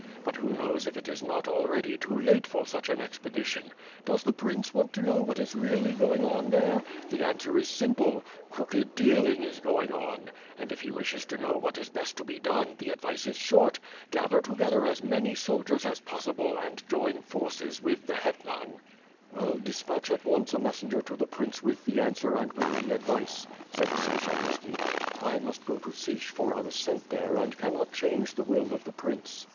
But who knows if it is not already too late for such an expedition. Does the prince want to know what is really going on there? The answer is simple; crooked dealing is going on. And if he wishes to know what is best to be done, the advice is short: Gather together as many soldiers as possible and join forces with the Hetman." WITH FIRE AND SWORD. 103 Well, despatch at once a messenger to the prince with the answer and with the advice/' said Skshetuski. "I must go to Sich for I was sent there and cannot change the will of the prince."